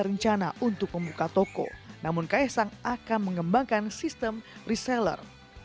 rencana untuk membuka toko namun kaisang akan mengembangkan sistem reseller